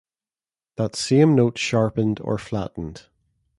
That same note sharpened or flattened.